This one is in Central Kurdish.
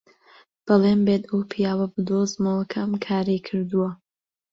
بەڵێن بێت ئەو پیاوە بدۆزمەوە کە ئەم کارەی کردووە.